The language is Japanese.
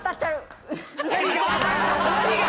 何が？